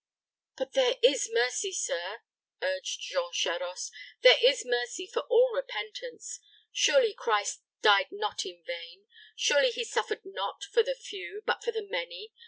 "But there is mercy, sir," urged Jean Charost; "there is mercy for all repentance. Surely Christ died not in vain. Surely he suffered not for the few, but for the many.